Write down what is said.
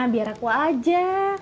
biar aku aja